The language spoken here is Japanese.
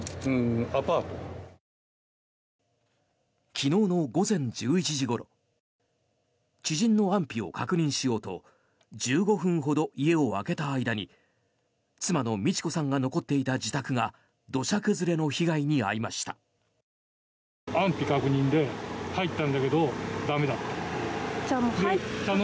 昨日の午前１１時ごろ知人の安否を確認しようと１５分ほど家を空けた間に妻の路子さんが残っていた自宅が土砂崩れの被害に遭いました。